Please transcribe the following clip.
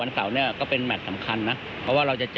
สุดยอด